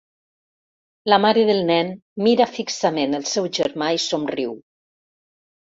La mare del nen mira fixament el seu germà i somriu.